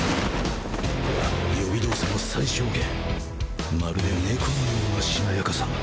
予備動作も最小限まるで猫のようなしなやかさ！